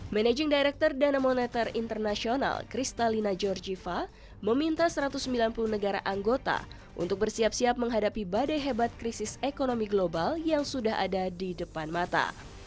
managing director dana moneter internasional kristalina georgiva meminta satu ratus sembilan puluh negara anggota untuk bersiap siap menghadapi badai hebat krisis ekonomi global yang sudah ada di depan mata